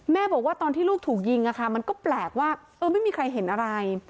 บอกว่าตอนที่ลูกถูกยิงมันก็แปลกว่าเออไม่มีใครเห็นอะไร